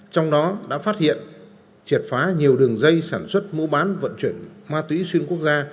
trong đó đã phát hiện triệt phá nhiều đường dây sản xuất mua bán vận chuyển ma túy xuyên quốc gia